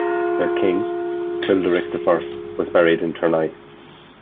Their king Childeric I was buried in Tournai.